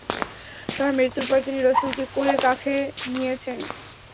তার মৃত্যুর পর তিনি রাসূলকে কোলে-কাঁখে নিয়েছেন।